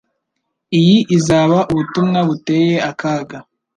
Iyi izaba ubutumwa buteye akaga.